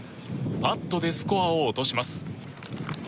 パットでスコアを落とします。